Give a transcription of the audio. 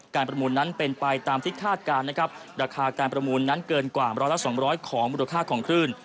ประมูลนั้นเป็นไปตามที่คาดการณ์นะครับราคาการประมูลนั้นเกินกว่าร้อยละสองร้อยของมูลค่าของคลื่น